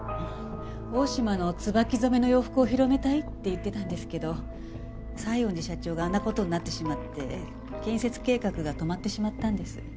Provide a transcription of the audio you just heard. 大島の椿染めの洋服を広めたいって言ってたんですけど西園寺社長があんな事になってしまって建設計画が止まってしまったんです。